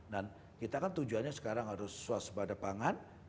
dan kita kan tujuannya sekarang harus swastu pada pangan